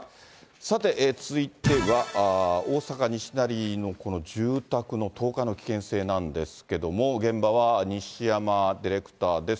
さて、続いては、大阪・西成の住宅の倒壊の危険性なんですけれども、現場は西山ディレクターです。